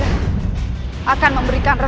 ada apa ini